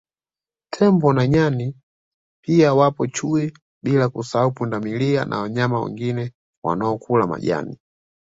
Tembo na Nyani pia wapo Chui bila kusahau Pundamilia na wanyama wengine wanaokula majani